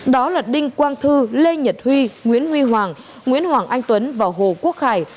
đó là đinh quang thư lê nhật huy nguyễn huy hoàng nguyễn hoàng anh tuấn và hồ quốc khải